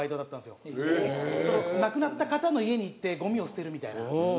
その亡くなった方の家に行ってゴミを捨てるみたいな。